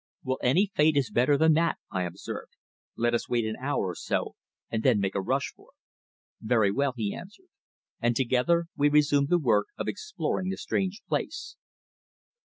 "Well, any fate is better than that," I observed. "Let us wait an hour or so, and then make a rush for it." "Very well," he answered, and together we resumed the work of exploring the strange place.